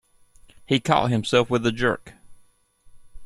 He caught himself with a jerk.